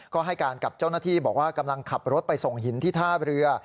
ก็ให้การกับเจ้าหน้าที่บอกว่ากำลังขับรถไปส่งหินที่ท่าเรือ